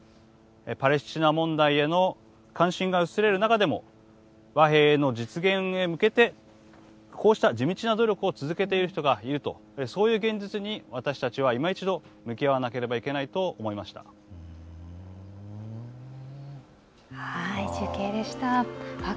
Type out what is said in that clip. パレスチナ問題への関心が薄れる中でも和平への実現へ向けてこうした地道な努力を続けている人がいるとそういう現実に私たちはいま一度向き合わなければいけないと思いました。